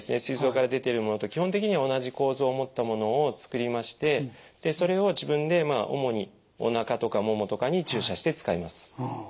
すい臓から出ているものと基本的には同じ構造を持ったものを作りましてでそれを自分で主におなかとかももとかに注射して使います。